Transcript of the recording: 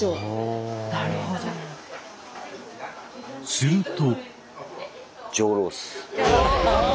すると。